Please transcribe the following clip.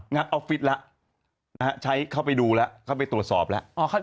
ออฟฟิศแล้วใช้เข้าไปดูแล้วเข้าไปตรวจสอบแล้ว